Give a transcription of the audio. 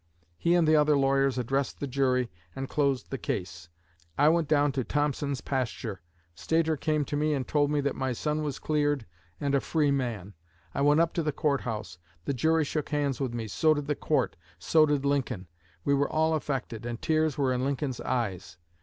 He and the other lawyers addressed the jury, and closed the case. I went down to Thompson's pasture. Stator came to me and told me that my son was cleared and a free man. I went up to the court house; the jury shook hands with me, so did the court, so did Lincoln. We were all affected, and tears were in Lincoln's eyes.